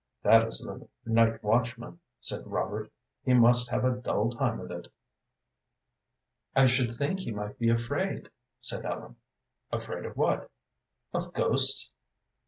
"That is the night watchman," said Robert. "He must have a dull time of it." "I should think he might be afraid," said Ellen. "Afraid of what?" "Of ghosts."